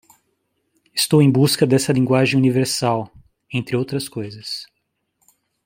Estou em busca dessa linguagem universal? entre outras coisas.